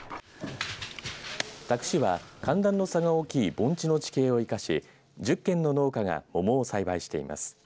多久市は寒暖の差が大きい盆地の地形を生かし１０軒の農家がももを栽培しています。